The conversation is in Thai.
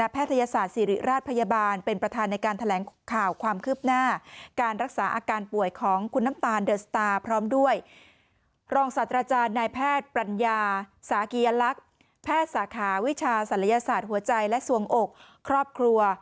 แพทย์สาขาวิชาศัลยศาสตร์หัวใจและสวงอกครอบครัว